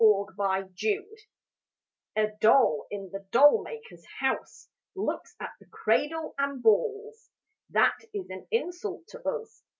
II THE DOLLS A doll in the doll maker's house Looks at the cradle and balls: 'That is an insult to us.'